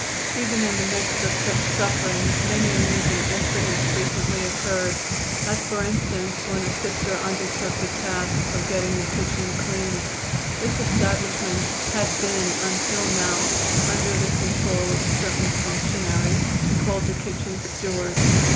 Even in the midst of such suffering many amusing incidents frequently occurred, as for instance when a Sister undertook the task of getting the kitchen cleaned. This establishment had been until now under the control of a certain functionary called the kitchen steward.